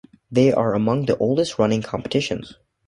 They are among the oldest running competitions.